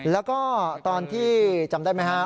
แล้วก็ตอนที่จำได้ไหมฮะ